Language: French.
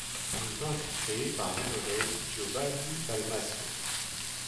Le vin fut créé par l'œnologue Giovanni Dalmasso.